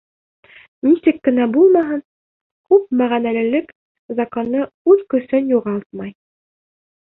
Нисек кенә булмаһын, күп мәғәнәлелек законы үҙ көсөн юғалтмай.